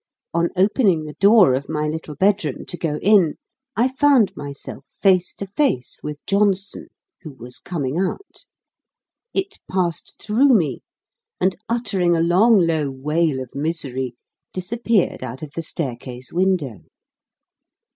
On opening the door of my little bedroom, to go in, I found myself face to face with Johnson, who was coming out. It passed through me, and uttering a long low wail of misery, disappeared out of the staircase window.